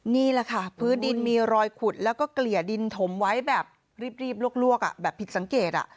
นี่แหละค่ะพื้นดินมีรอยขุดแล้วก็เกลี่ยดินถมไว้แบบรีบลวกแบบผิดสังเกต